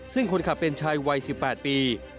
ซึ่งคนขับเป็นชายวัย๑๘ปี